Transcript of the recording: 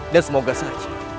dan semoga saja